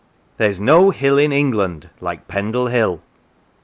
... There is no hill in England like Pendle Hill."